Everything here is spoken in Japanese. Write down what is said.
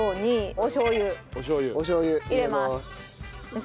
おしょう油入れます。